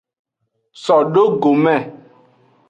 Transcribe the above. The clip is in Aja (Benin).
So do gome.